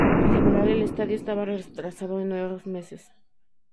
En general, el estadio estaba retrasado en nueve meses.